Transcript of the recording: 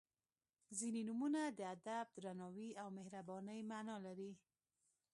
• ځینې نومونه د ادب، درناوي او مهربانۍ معنا لري.